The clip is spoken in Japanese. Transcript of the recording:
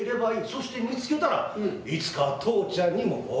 そして見つけたらいつか父ちゃんにも教えるな？